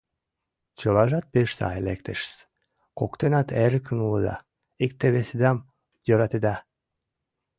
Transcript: Чылажат пеш сай лектешыс: коктынат эрыкан улыда, икте-весыдам йӧратеда.